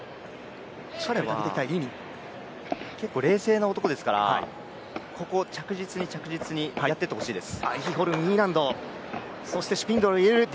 彼は結構冷静な男ですから、ここ着実に、着実にやっていってほしいです。